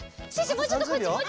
もうちょっとこっち。